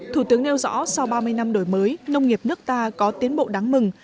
thủ tướng nêu rõ sau ba mươi năm đổi mới nông nghiệp nước ta có tiến bộ đáng mừng